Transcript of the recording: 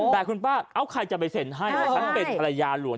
แต่คุณป้าเอ้าใครจะไปเซ็นให้ฉันเป็นภรรยาหลวง